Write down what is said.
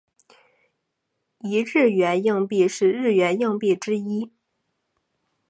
一日圆硬币是日圆硬币之一。